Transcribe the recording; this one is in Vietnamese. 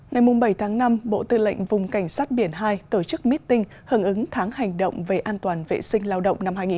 ngày bảy tháng năm bộ tư lệnh vùng cảnh sát biển hai tổ chức meeting hứng ứng tháng hành động về an toàn vệ sinh lao động năm hai nghìn hai mươi bốn